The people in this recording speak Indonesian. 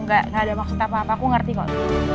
nggak ada maksud apa apa aku ngerti kok